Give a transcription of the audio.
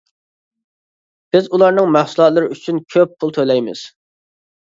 بىز ئۇلارنىڭ مەھسۇلاتلىرى ئۈچۈن كۆپ پۇل تۆلەيمىز.